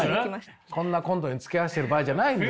こんなコントにつきあわせてる場合じゃないんです。